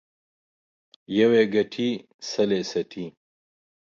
يو يې گټي ، سل يې څټي.